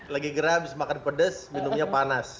lagi geram habis makan pedas minumnya panas